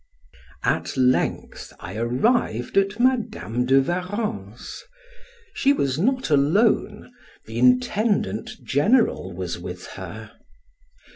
At length I arrived at Madam de Warrens; she was not alone, the intendant general was with her.